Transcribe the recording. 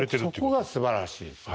そこがすばらしいんすか。